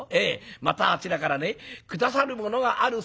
またあちらからね下さるものがあるそうです」。